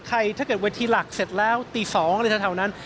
ถ้าเกิดเวทีหลักเสร็จแล้วตี๒อะไรแถวนั้น